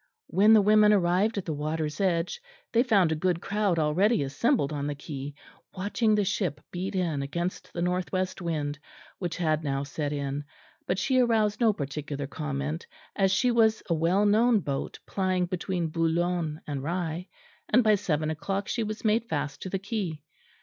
When the women arrived at the water's edge they found a good crowd already assembled on the quay, watching the ship beat in against the north west wind, which had now set in; but she aroused no particular comment as she was a well known boat plying between Boulogne and Rye; and by seven o'clock she was made fast to the quay.